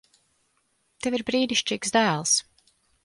Tev ir brīnišķīgs dēls.